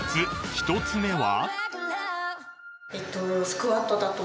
１つ目は］